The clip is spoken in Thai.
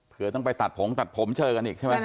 เพื่อต้องไปตัดผมตัดผมเจอกันอีกใช่ไหม